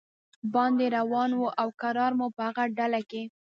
باندې روان و او کرار مو په هغه ډله کې.